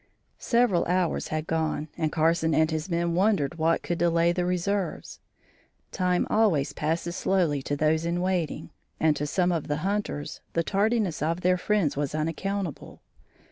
Several hours had gone and Carson and his men wondered what could delay the reserves. Time always passes slowly to those in waiting, and to some of the hunters the tardiness of their friends was unaccountable.